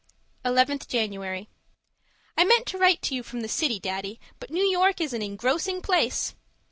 11th January I meant to write to you from the city, Daddy, but New York is an engrossing place.